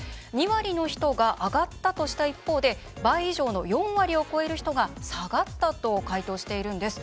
２割の人が上がったとした一方で、倍以上の４割を超える人が下がったと回答しているんです。